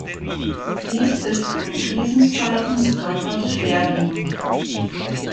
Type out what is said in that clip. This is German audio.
Dies ist in Krisenzeiten besonders schwerwiegend.